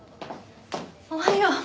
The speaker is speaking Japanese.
おはよう。